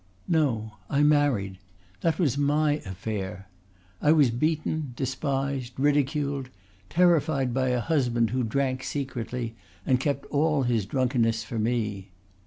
"No: I married. That was my affair. I was beaten despised ridiculed terrified by a husband who drank secretly and kept all his drunkenness for me.